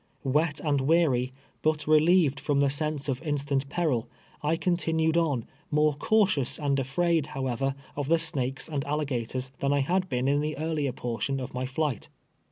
Wet and weary, but relieved from the sense of instant peril, I continued on, more cautious and afraid, however, of the snakes and alligators than I had been in the earlier portion of my flight.